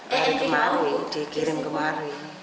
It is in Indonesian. dari kemarin dikirim kemarin